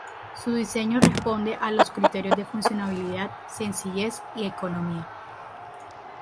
Su diseño responde a los criterios de funcionalidad, sencillez y economía.